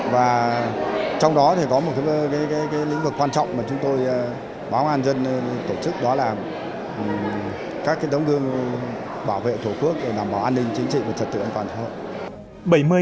và trong đó thì có một lĩnh vực quan trọng mà chúng tôi báo an dân tổ chức đó là các đóng gương bảo vệ thổ quốc để đảm bảo an ninh chính trị và trật tự an toàn xã hội